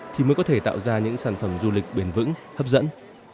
thì mới có thể tạo ra những sản phẩm du lịch bền vững hấp dẫn